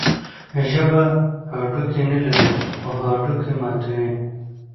ژبه هډوکي نلري، خو هډوکي ماتوي.